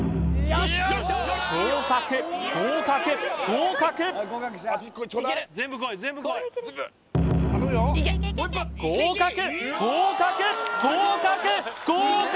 合格合格合格合格合格合格合格！